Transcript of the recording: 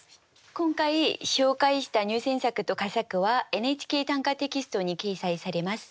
今回紹介した入選作と佳作は「ＮＨＫ短歌」テキストに掲載されます。